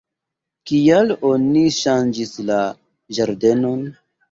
Kial oni ŝanĝis la ĝardenon?